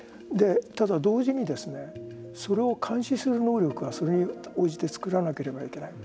ただ、同時にそれを監視する能力がそれに応じて作らないといけない。